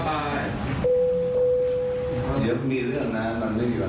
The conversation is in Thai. ถ้าท่านพาถ่ายหน่อยผมได้นั่งใกล้สุดสวย